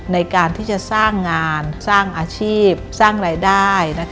ในการที่จะสร้างงานสร้างอาชีพสร้างรายได้